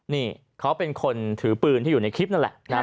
นี่เขาเป็นคนถือปืนที่อยู่ในคลิปนั่นแหละนะครับ